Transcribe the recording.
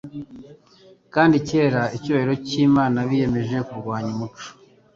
kandi ikera icyubahiro cy'Imana. Biyemeje kurwanya umucyo